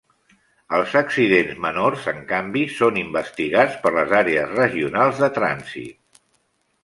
Els accidents menors, en canvi, són investigats per les Àrees Regionals de Trànsit.